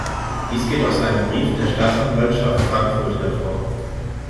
Dies geht aus einem Brief der Staatsanwaltschaft Frankfurt hervor.